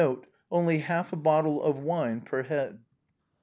— Only half a bottle of wine per head.